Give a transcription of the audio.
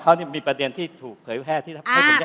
เขานี่มีประเด็นที่ถูกเผยแพร่ที่ให้คนจะอ่านสิ่งเยอะ